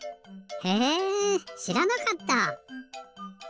へえしらなかった！